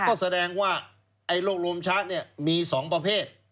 ก็แสดงว่าโรคโรมชักมี๒ประเภท